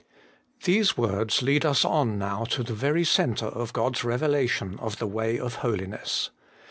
THESE words lead us on now to the very centre of God's revelation of the way of holiness.